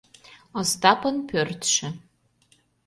Остапын пӧртшӧ.